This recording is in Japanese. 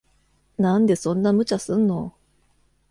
なんでそんな無茶すんの。